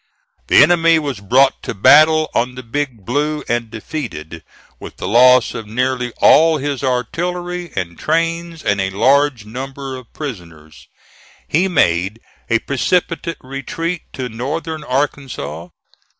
The enemy was brought to battle on the Big Blue and defeated, with the loss of nearly all his artillery and trains and a large number of prisoners. He made a precipitate retreat to Northern Arkansas.